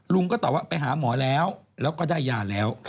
ก็ตอบว่าไปหาหมอแล้วแล้วก็ได้ยาแล้ว